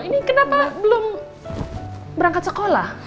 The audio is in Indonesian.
ini kenapa belum berangkat sekolah